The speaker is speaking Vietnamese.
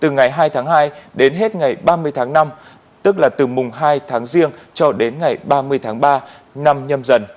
từ ngày hai tháng hai đến hết ngày ba mươi tháng năm tức là từ mùng hai tháng riêng cho đến ngày ba mươi tháng ba năm nhâm dần